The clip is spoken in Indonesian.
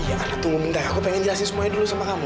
iya ana tunggu minta kak ku pengin jelasin sumai dulu sama kamu